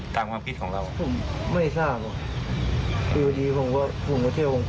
ตามความคิดของเราผมไม่ทราบอ่ะคืออยู่ดีผมก็ผมก็เที่ยวของผม